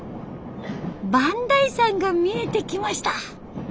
磐梯山が見えてきました。